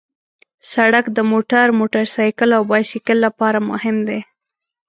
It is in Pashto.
سړک د موټر، موټرسایکل او بایسکل لپاره مهم دی.